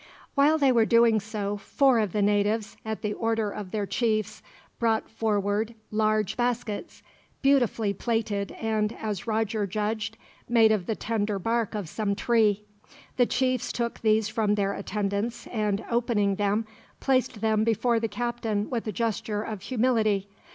While they were doing so, four of the natives, at the order of their chiefs, brought forward large baskets; beautifully plaited and, as Roger judged, made of the tender bark of some tree. The chiefs took these from their attendants and, opening them, placed them before the captain with a gesture of humility.